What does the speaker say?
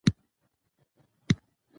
دولتي مامورین د خلکو خدمت خپل مسؤلیت ګڼي.